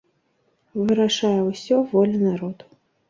Вырашае ўсё воля народу.